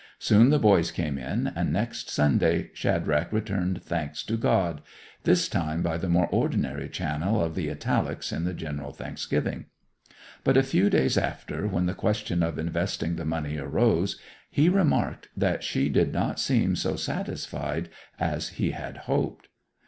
Soon the boys came in, and next Sunday Shadrach returned thanks to God—this time by the more ordinary channel of the italics in the General Thanksgiving. But a few days after, when the question of investing the money arose, he remarked that she did not seem so satisfied as he had hoped.